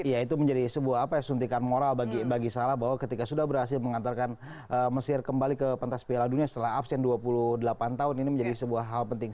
ya itu menjadi sebuah suntikan moral bagi salah bahwa ketika sudah berhasil mengantarkan mesir kembali ke pentas piala dunia setelah absen dua puluh delapan tahun ini menjadi sebuah hal penting